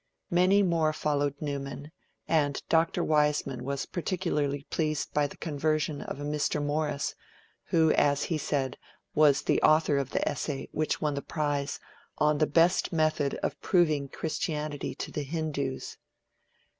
Many more followed Newman, and Dr. Wiseman was particularly pleased by the conversion of a Mr. Morris, who, as he said, was 'the author of the essay, which won the prize on the best method of proving Christianity to the Hindus'.